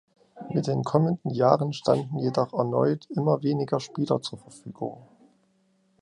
Mit dem kommenden Jahren standen jedoch erneut immer weniger Spieler zur Verfügung.